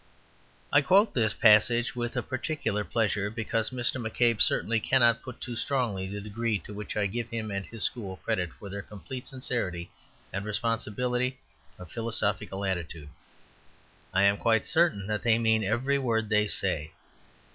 I quote this passage with a particular pleasure, because Mr. McCabe certainly cannot put too strongly the degree to which I give him and his school credit for their complete sincerity and responsibility of philosophical attitude. I am quite certain that they mean every word they say.